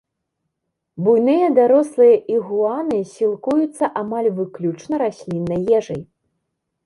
Буйныя дарослыя ігуаны сілкуюцца амаль выключна расліннай ежай.